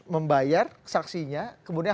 membayar saksinya kemudian